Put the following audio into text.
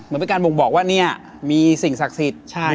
เหมือนเป็นการบ่งบอกว่านี่มีสิ่งสักศิษย์